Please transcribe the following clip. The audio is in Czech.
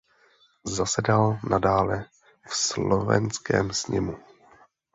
Zasedal nadále v slovenském sněmu.